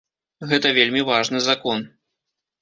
Гэта вельмі важны закон.